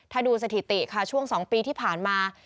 ถ้าดูสถิติค่ะช่วง๒ปีที่ผ่านมา